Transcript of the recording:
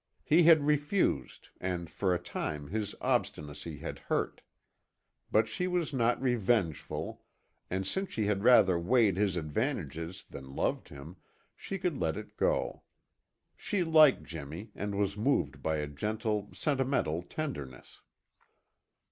He had refused and for a time his obstinacy had hurt, but she was not revengeful and, since she had rather weighed his advantages than loved him, she could let it go. She liked Jimmy and was moved by a gentle sentimental tenderness.